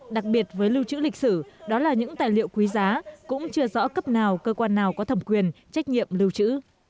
đặc biệt với lưu trữ lịch sử đó là những tài liệu quý giá cũng chưa rõ cấp nào cơ quan nào có thẩm quyền trách nhiệm lưu trữ